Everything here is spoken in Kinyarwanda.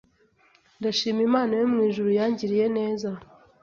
Ndashima Imana yo mu ijuru yangiriye neza